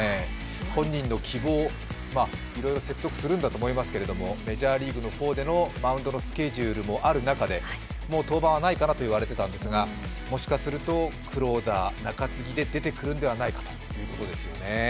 本人の希望、いろいろ説得するんだと思いますけれども、メジャーリーグの方でのマウンドのスケジュールもある中もう登板はないかなと言われていたんですがもしかするとクローザー中継ぎで出てくるんではないかということですね。